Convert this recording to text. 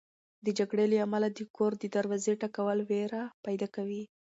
د جګړې له امله د کور د دروازې ټکول وېره پیدا کوي.